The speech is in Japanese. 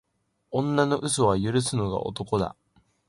女の嘘は許すのが男だ